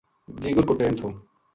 دیگر کو ٹیم تھو